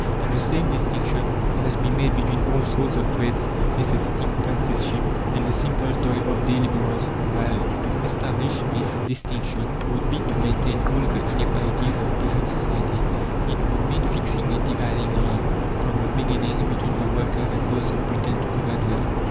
And the same distinction must be made between all sorts of trades necessitating apprenticeship, and the simple toil of day labourers. Well, to establish this distinction would be to maintain all the inequalities of present society. It would mean fixing a dividing line, from the beginning, between the workers and those who pretend to govern them.